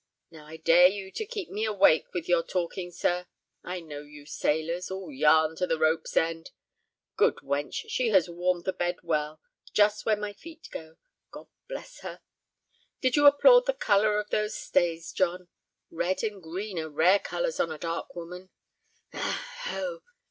Now I dare you to keep me awake with your talking, sir; I know you sailors, all yarn to the rope's end. Good wench, she has warmed the bed well just where my feet go, God bless her! Did you applaud the color of those stays, John? Red and green are rare colors on a dark woman.